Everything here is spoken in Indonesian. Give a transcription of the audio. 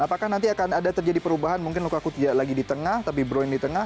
apakah nanti akan ada terjadi perubahan mungkin lukaku tidak lagi di tengah tapi brown di tengah